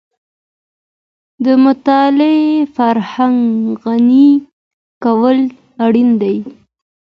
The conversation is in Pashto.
د مطالعې فرهنګ غني کول اړین دي.